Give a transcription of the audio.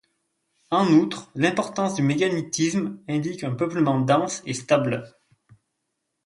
En outre, l'importance du mégalithisme indique un peuplement dense et stable.